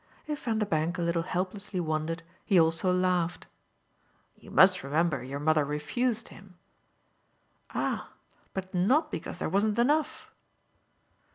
If Vanderbank a little helplessly wondered he also laughed. "You must remember your mother refused him." "Ah but not because there wasn't enough."